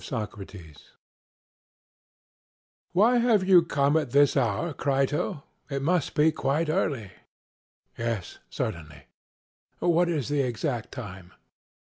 SOCRATES: Why have you come at this hour, Crito? it must be quite early. CRITO: Yes, certainly. SOCRATES: What is the exact time?